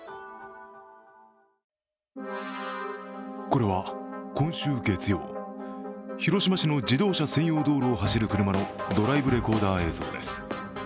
これは今週月曜、広島市の自動車専用道路を走る車のドライブレコーダー映像です。